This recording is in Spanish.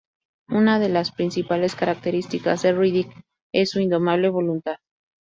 Una de las principales características de Riddick es su indomable voluntad.